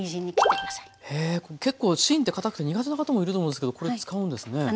へえ結構芯ってかたくて苦手な方もいると思うんですけどこれ使うんですね。